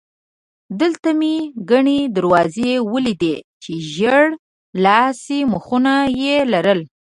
دلته مې ګڼې دروازې ولیدې چې ژېړ لاسي مېخونه یې لرل.